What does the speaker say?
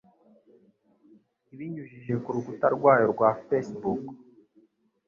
Ibinyujije ku rukuta rwayo rwa Facebook,